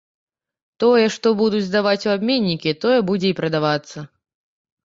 Тое, што будуць здаваць у абменнікі, тое будзе і прадавацца.